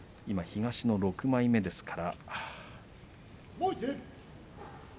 今、東の６枚目です。